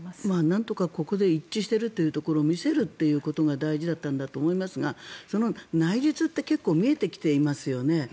なんとかここで一致しているというところを見せるということが大事だったんだと思いますがその内実って結構見えてきていますよね。